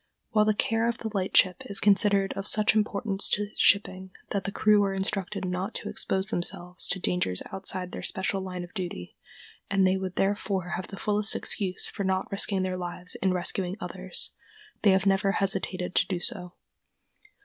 While the care of the lightship is considered of such importance to shipping that the crew are instructed not to expose themselves to dangers outside their special line of duty, and they would therefore have the fullest excuse for not risking their lives in rescuing others, they have never hesitated to do so.